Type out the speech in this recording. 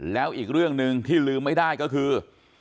แล้วอีกเรื่องหนึ่งที่ลืมไม่ได้ก็คือ